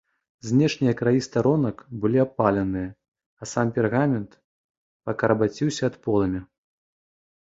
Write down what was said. Знешнія краі старонак былі абпаленыя, а сам пергамент пакарабаціўся ад полымя.